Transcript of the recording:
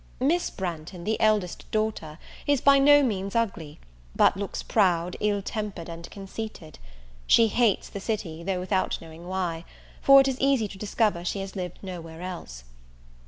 Miss Branghton, the eldest daughter, is by no means ugly; but looks proud, ill tempered, and conceited. She hates the city, though without knowing why; for it is easy to discover she has lived no where else.